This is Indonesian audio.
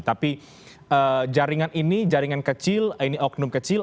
tapi jaringan ini jaringan kecil ini oknum kecil